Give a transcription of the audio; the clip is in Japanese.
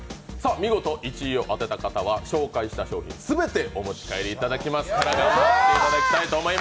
見事１位を当てた方は紹介した商品、すべてお持ち帰りいただきます。